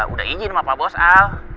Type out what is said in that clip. udah izin sama pak bos al